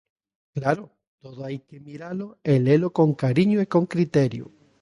Claro, todo hai que miralo e lelo con cariño e con criterio.